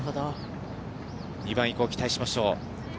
２番以降、期待しましょう。